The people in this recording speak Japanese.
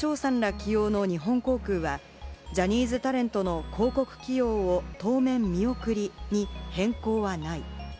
起用の日本航空は、ジャニーズタレントの広告起用を当面見送りに変更はない。